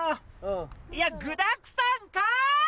いや具だくさんかい！